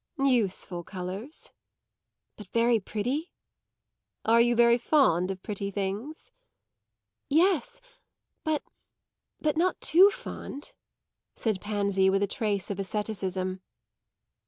"Useful colours." "But very pretty?" "Are you very fond of pretty things?" "Yes; but but not too fond," said Pansy with a trace of asceticism.